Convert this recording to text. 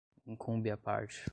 incumbe à parte